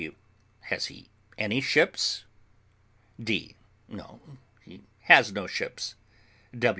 W. Has he any ships? D. No, he has no ships.